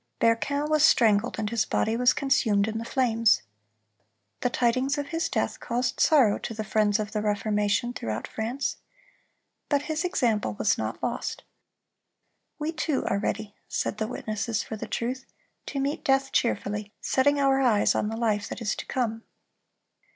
(327) Berquin was strangled, and his body was consumed in the flames. The tidings of his death caused sorrow to the friends of the Reformation throughout France. But his example was not lost. "We too are ready," said the witnesses for the truth, "to meet death cheerfully, setting our eyes on the life that is to come."